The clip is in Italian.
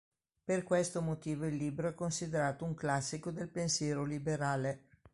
Per questo motivo il libro è considerato un classico del pensiero liberale.